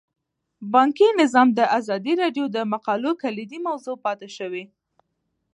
بانکي نظام د ازادي راډیو د مقالو کلیدي موضوع پاتې شوی.